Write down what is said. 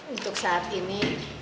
untuk saat ini